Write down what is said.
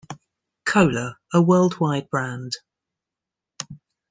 Cola, a worldwide brand.